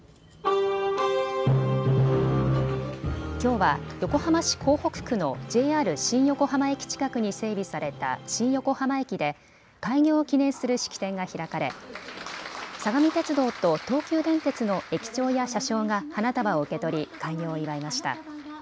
きょうは横浜市港北区のＪＲ新横浜駅近くに整備された新横浜駅で開業を記念する式典が開かれ相模鉄道と東急電鉄の駅長や車掌が花束を受け取り開業を祝いました。